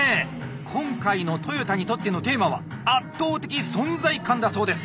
今回の豊田にとってのテーマは「圧倒的存在感」だそうです。